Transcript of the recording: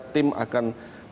tim akan berjaya